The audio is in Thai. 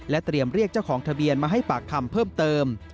เตรียมเรียกเจ้าของทะเบียนมาให้ปากคำเพิ่มเติม